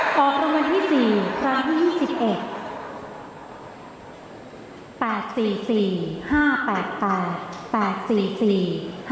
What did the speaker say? ต่อทะวันที่๔ครั้งที่๒๐